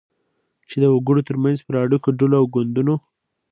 چی د وګړو ترمنځ پر اړیکو، ډلو او ګوندونو